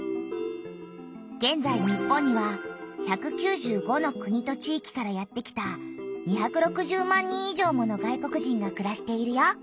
げんざい日本には１９５の国と地域からやって来た２６０万人以上もの外国人がくらしているよ。